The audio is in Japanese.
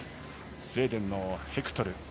スウェーデンのヘクトル。